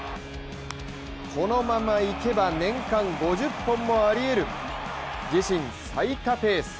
このままいけば年間５０本もありえる、自身最多ペース。